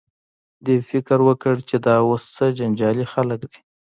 دې فکر وکړ چې دا اوس څه جنجالي خلک دي.